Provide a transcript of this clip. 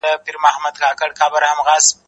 زه مخکي د تکړښت لپاره تللي وو!.